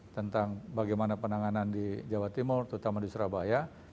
tentang bagaimana penanganan di jawa timur terutama di surabaya